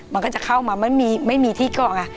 มันก็จะเข้ามามันไม่มีที่เกาะไง